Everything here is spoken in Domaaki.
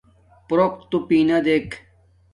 پرَق تݸ پئنݳ دݵک.